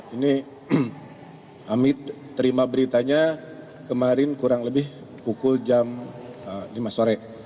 ini amit terima beritanya kemarin kurang lebih pukul jam lima sore